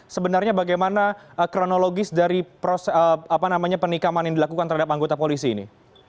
sebenarnya bagaimana kronologis dari penikaman yang dilakukan terhadap anggota polisi ini